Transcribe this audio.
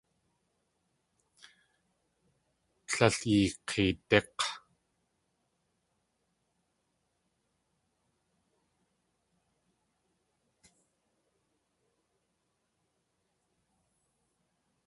Líl yik̲eedík̲!